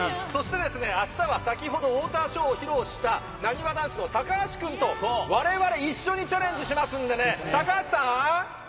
あしたは先ほど、ウォーターショーを披露した、なにわ男子の高橋君と、我々、一緒にチャレンジしますので、高橋さん。